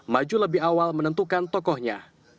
maju lebih awal menentukan tokohnya